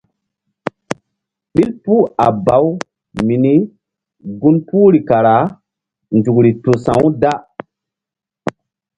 Ke ɓil puh a baw mini gun puhri kara nzukri tu sa̧-u da.